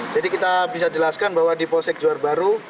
jadi kita bisa jelaskan bahwa di polsek juar baru